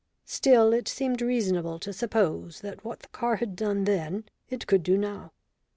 Still it seemed reasonable to suppose that what the car had done then it could do now.